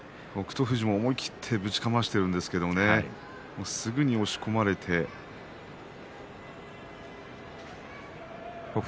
富士も思い切ってぶちかましているんですけどすぐに押し込まれて北勝